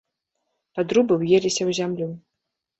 Падрубы ўеліся ў зямлю.